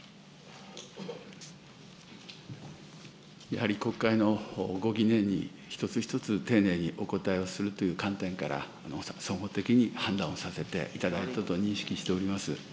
やはり国会のご疑念に一つ一つ丁寧にお答えをするという観点から、総合的に判断をさせていただいたと認識しております。